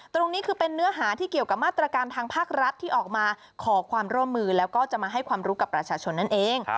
ตรงนี้คือเป็นเนื้อหาที่เกี่ยวกับมาตรการทางภาครัฐที่ออกมาขอความร่วมมือแล้วก็จะมาให้ความรู้กับประชาชนนั่นเอง